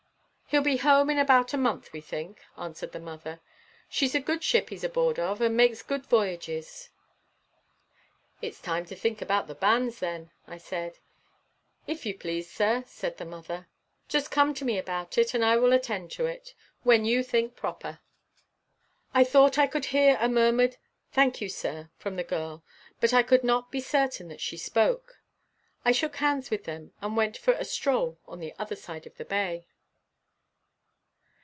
"He'll be home in about a month, we think," answered the mother. "She's a good ship he's aboard of, and makes good voyages." "It is time to think about the bans, then," I said. "If you please, sir," said the mother. "Just come to me about it, and I will attend to it when you think proper." I thought I could hear a murmured "Thank you, sir," from the girl, but I could not be certain that she spoke. I shook hands with them, and went for a stroll on the other side of the bay.